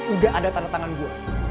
udah ada tanda tangan gua